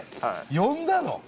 呼んだの？